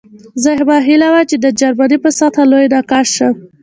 زما هیله وه چې د جرمني په سطحه لوی نقاش شم